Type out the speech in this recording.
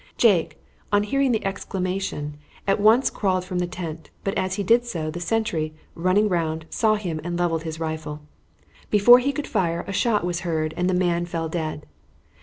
Jake, on hearing the exclamation, at once crawled from the tent; but, as he did so, the sentry, running round, saw him and leveled his rifle. Before he could fire a shot was heard and the man fell dead.